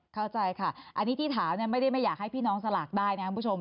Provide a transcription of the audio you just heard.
เข้าใจค่ะอันนี้ที่ถามไม่ได้ไม่อยากให้พี่น้องสลากได้นะครับคุณผู้ชม